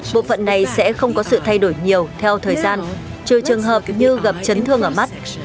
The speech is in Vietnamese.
bộ phận này sẽ không có sự thay đổi nhiều theo thời gian trừ trường hợp như gặp chấn thương ở mắt